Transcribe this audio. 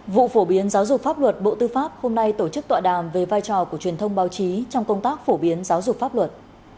vụ phổ biến giáo dục pháp luật bộ tư pháp hôm nay tổ chức tọa đàm về vai trò của truyền thông báo chí trong công tác phổ biến giáo dục pháp luật